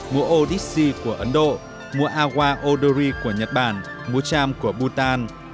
múa odissi của ấn độ múa awa odori của nhật bản múa cham của bhutan